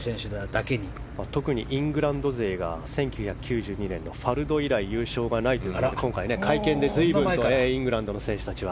特にイングランド勢が１９９２年のファルド以来優勝がないと会見で今回、随分とイングランドの選手たちは。